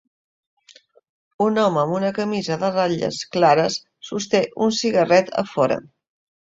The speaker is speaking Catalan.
Un home amb una camisa de ratlles clares sosté un cigarret a fora.